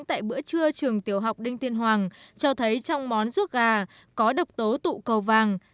tại bữa trưa trường tiểu học đinh tiên hoàng cho thấy trong món ruốc gà có độc tố tụ cầu vàng